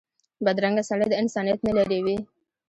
بدرنګه سړی د انسانیت نه لرې وي